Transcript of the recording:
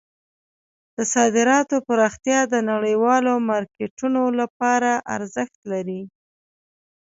د صادراتو پراختیا د نړیوالو مارکیټونو لپاره ارزښت لري.